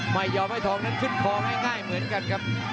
ไม่ยอมให้ทองนั้นขึ้นคอง่ายเหมือนกันครับ